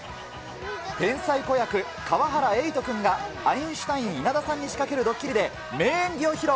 天才子役、かわはらえいとくんがアインシュタイン・稲田さんに仕掛けるドッキリで、名演技を披露。